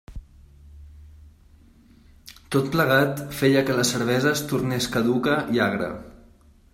Tot plegat feia que la cervesa es tornés caduca i agra.